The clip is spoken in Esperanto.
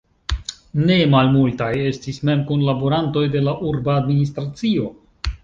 Ne malmultaj estis mem kunlaborantoj de la urba administracio.